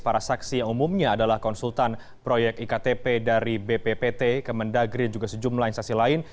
para saksi yang umumnya adalah konsultan proyek iktp dari bppt kemendagri dan juga sejumlah instasi lain